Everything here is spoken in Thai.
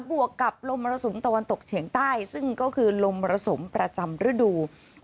วกกับลมมรสุมตะวันตกเฉียงใต้ซึ่งก็คือลมมรสุมประจำฤดู